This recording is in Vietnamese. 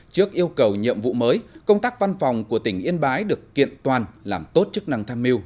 trước yêu cầu nhiệm vụ mới công tác văn phòng của tỉnh yên bái được kiện toàn làm tốt chức năng tham mưu